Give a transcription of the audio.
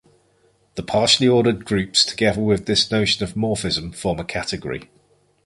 The partially ordered groups, together with this notion of morphism, form a category.